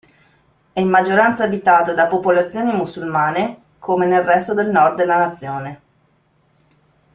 È in maggioranza abitato da popolazioni musulmane, come nel resto del nord della nazione.